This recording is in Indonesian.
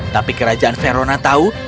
tapi kerajaan verona tahu